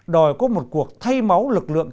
đòi có một cuộc thay máu lực lượng